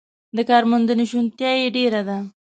د کارموندنې شونتیا یې ډېره ده.